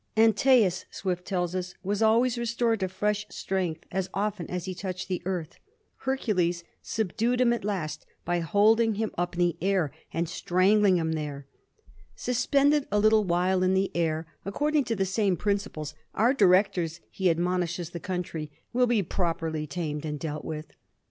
Antaeus, Swift tells us, was always restored to fresh strength as oft; en as he touched the earth ; Hercules subdued him at last by holding him up in the air and stran gling him there. Suspended a while in the air, Digiti zed by Google 266 A mSTORY OF THE FOUR GEORGES. ch. xu. according to the same principle, our directors, he admonishes the country, will be properly tamed and dealt with.